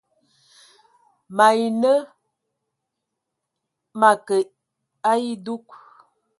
Mayi nə ma kə a edug.